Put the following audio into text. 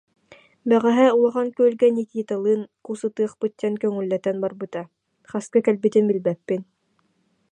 Бэҕэһээ Улахан Күөлгэ Никиталыын кус ытыахпыт диэн көҥүллэтэн барбыта, хаска кэлбитин билбэппин